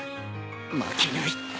負けない。